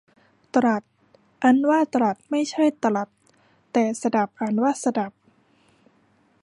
ตรัส อ่านว่า ตรัด ไม่ใช่ตะหรัด แต่สดับ อ่านว่า สะดับ